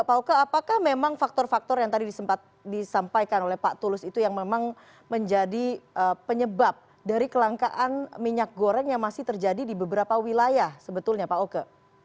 pak oke apakah memang faktor faktor yang tadi sempat disampaikan oleh pak tulus itu yang memang menjadi penyebab dari kelangkaan minyak goreng yang masih terjadi di beberapa wilayah sebetulnya pak oke